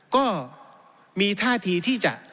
ก็มีท่าทีที่จะ